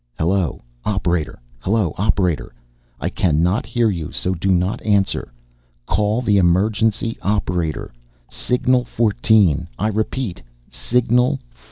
"Hello, operator. Hello, operator. I cannot hear you so do not answer. Call the emergency operator signal 14, I repeat signal 14."